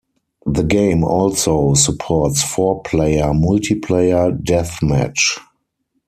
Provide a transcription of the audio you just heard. The game also supports four-player multiplayer deathmatch.